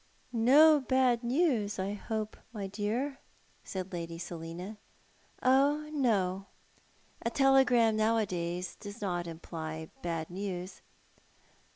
"No bad news, I hope, my dear," said Lady Selina. "Oh, no; a telegram nowadays does not imply bad news.''